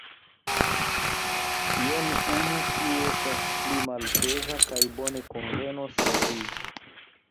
Jen unu, kiu estas pli malpeza kaj bone konvenos al vi.